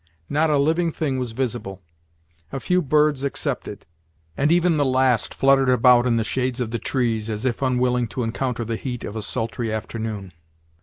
Not a living thing was visible, a few birds excepted, and even the last fluttered about in the shades of the trees, as if unwilling to encounter the heat of a sultry afternoon.